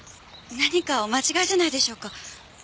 何かお間違いじゃないでしょうか？